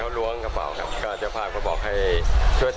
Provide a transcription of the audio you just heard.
ก็อีกตอนนั้นเขาเขาร่วงเขาร้วงไอ้พวกพวกศองพวกอะไรเลยนะ